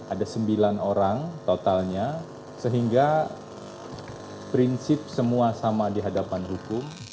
ada sembilan orang totalnya sehingga prinsip semua sama di hadapan hukum